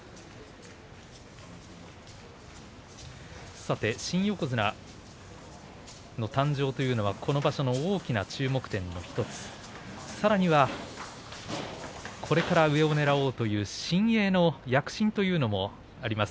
さて新横綱の誕生というのがこの場所の大きな注目点の１つさらにはこれから上にねらおうという新鋭の躍進というのもあります。